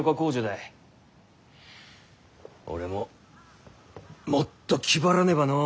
俺ももっと気張らねばのう。